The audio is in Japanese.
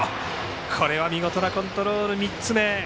これは見事なコントロールで三振３つ目。